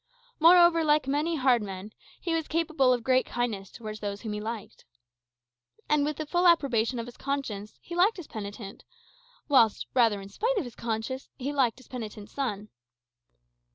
Moreover, like many hard men, he was capable of great kindness towards those whom he liked. And, with the full approbation of his conscience, he liked his penitent; whilst, rather in spite of his conscience, he liked his penitent's son.